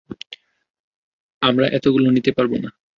আমরা এতোগুলো নিতে পারব না।